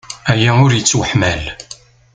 Aya ur yettwaḥmal!